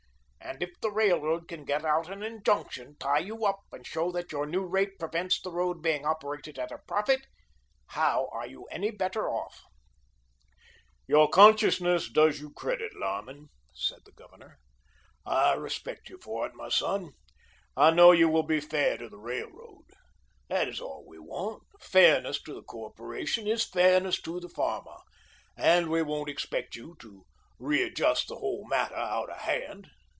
and if the railroad can get out an injunction, tie you up and show that your new rate prevents the road being operated at a profit, how are you any better off?" "Your conscientiousness does you credit, Lyman," said the Governor. "I respect you for it, my son. I know you will be fair to the railroad. That is all we want. Fairness to the corporation is fairness to the farmer, and we won't expect you to readjust the whole matter out of hand.